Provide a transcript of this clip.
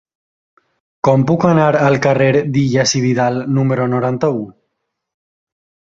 Com puc anar al carrer d'Illas i Vidal número noranta-u?